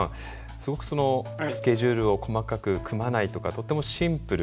すごくスケジュールを細かく組まないとかとてもシンプル。